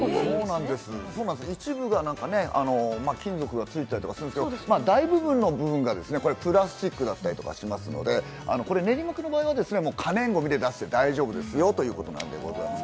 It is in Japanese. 一部がね、金属がついたりとかするんですけど、大部分がプラスチックだったりとかしますので、練馬区の場合は可燃ごみで出して大丈夫ですよということです。